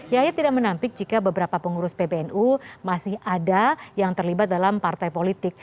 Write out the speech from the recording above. yahya tidak menampik jika beberapa pengurus pbnu masih ada yang terlibat dalam partai politik